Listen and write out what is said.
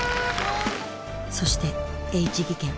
そしてＨ技研。